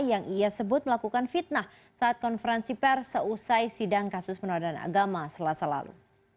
yang ia sebut melakukan fitnah saat konferensi pers seusai sidang kasus penodaan agama selasa lalu